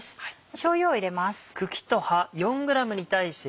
しょうゆを入れます。